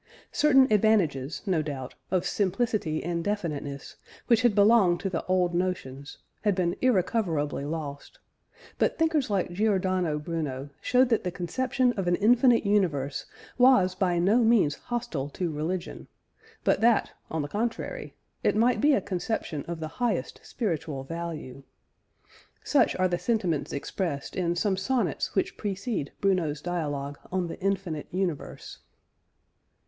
Certain advantages, no doubt, of simplicity and definiteness, which had belonged to the old notions, had been irrecoverably lost; but thinkers like Giordano Bruno showed that the conception of an infinite universe was by no means hostile to religion; but that, on the contrary, it might be a conception of the highest spiritual value. Such are the sentiments expressed in some sonnets which precede Bruno's dialogue "On the Infinite Universe."